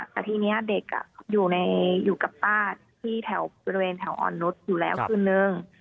แต่ทีนี้เด็กอยู่กับป้าที่แถวบริเวณแถวอ่อนนุษย์อยู่แล้วคืนนึง